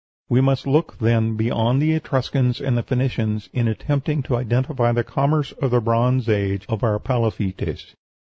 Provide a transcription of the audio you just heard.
We must look, then, beyond both the Etruscans and Phoenicians in attempting to identify the commerce of the Bronze Age of our palafittes.